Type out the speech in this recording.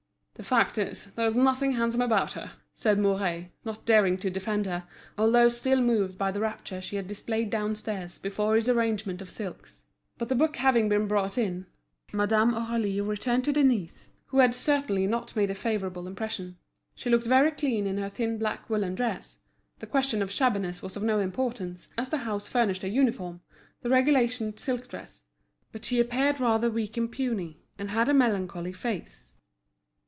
"The fact is, there's nothing handsome about her," said Mouret, not daring to defend her, although still moved by the rapture she had displayed downstairs before his arrangement of silks. But the book having been brought in, Madame Aurélie returned to Denise, who had certainly not made a favourable impression. She looked very clean in her thin black woollen dress; the question of shabbiness was of no importance, as the house furnished a uniform, the regulation silk dress; but she appeared rather weak and puny, and had a melancholy face.